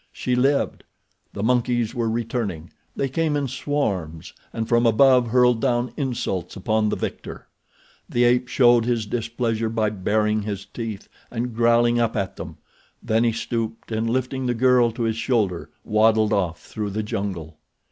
She lived. The monkeys were returning. They came in swarms, and from above hurled down insults upon the victor. The ape showed his displeasure by baring his teeth and growling up at them. Then he stooped and lifting the girl to his shoulder waddled off through the jungle.